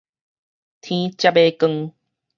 天才欲光